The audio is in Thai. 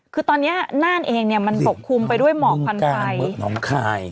คือตอนนี้น่านเองเนี่ยมันปกคลุมไปด้วยเหมาะควันไฟ